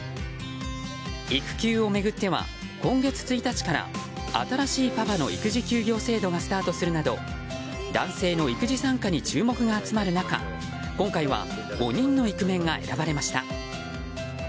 育休を巡っては今月１日から新しいパパの育児休業制度がスタートするなど男性の育児参加に注目が集まる中今回は５人のイクメンが選ばれました。